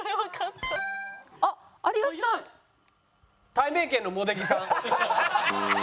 たいめいけんの茂出木さん。